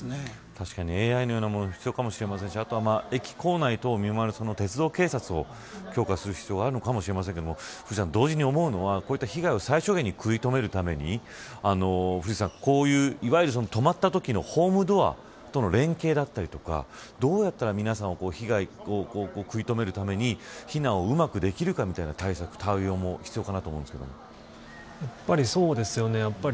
確かにＡＩのようなもの必要なのかもしれませんしあとは、駅構内等を見回る鉄道警察を強化する必要があるのかもしれませんが同時に思うのは、こういう被害を最小限に食い止めるためにこういう、いわゆる止まったときのホームドアとの連携だったりとかどうやったら皆さんを被害を食い止めるために避難がうまくできるかみたいな対策、対応もやっぱりそうですよね。